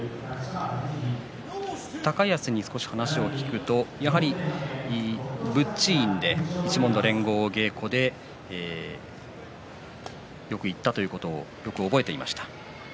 高安に少し話を聞くとやはり仏地院は一門の連合稽古でよく行ったということをよく覚えていました。